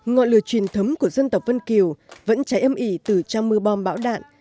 ngọn lửa truyền thống của dân tộc vân kiều vẫn cháy âm ỉ từ trang mưa bom bão đạn